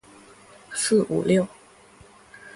四五六